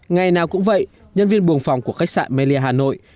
ngày nào cũng vậy nhân viên buồng phòng của khách sạn melia hà nội